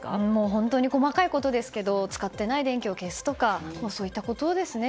本当に細かいことですけど使っていない電気を消すとかそういったことですね。